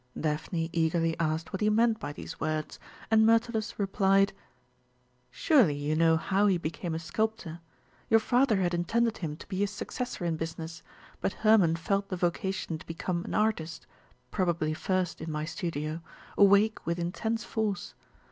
Daphne eagerly asked what he meant by these words, and Myrtilus replied: "Surely you know how he became a sculptor. Your father had intended him to be his successor in business, but Hermon felt the vocation to become an artist probably first in my studio awake with intense force.